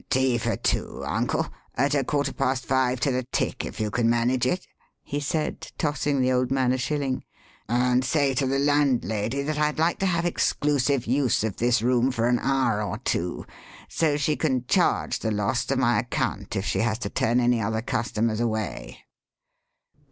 "Tea for two, uncle at a quarter past five to the tick if you can manage it," he said, tossing the old man a shilling. "And say to the landlady that I'd like to have exclusive use of this room for an hour or two, so she can charge the loss to my account if she has to turn any other customers away."